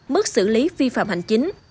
mức xử lý vi phạm hành chính